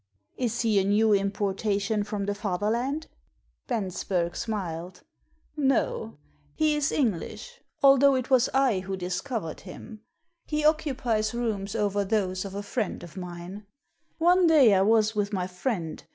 " Is he a new importation from the Fatherland ?" Bensberg smiled. "No, he is English, although it was I who dis covered him. He occupies rooms over those of a friend of mine. One day I was with my friend.